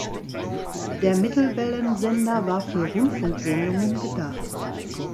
Der Mittelwellensender war für Rundfunksendungen gedacht.